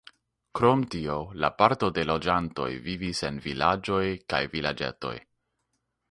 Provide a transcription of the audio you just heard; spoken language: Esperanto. Krom tio, la parto de loĝantoj vivis en vilaĝoj kaj vilaĝetoj.